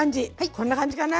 こんな感じかな。